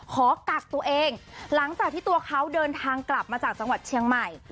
ขอกักตัวเองหลังจากที่ตัวเขาเดินทางกลับมาจากจังหวัดเชียงใหม่